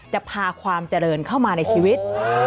จะพาความเจริญเข้ามาในชีวิต